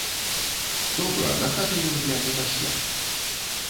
Добра, на хату ён гляне пасля.